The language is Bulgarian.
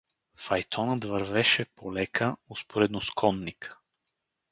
Файтонът вървеше полека, успоредно с конника.